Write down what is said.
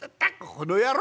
「この野郎！